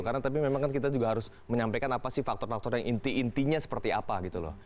karena kita memang kan juga harus menyampaikan apa sih faktor faktor yang inti intinya seperti apa gitu loh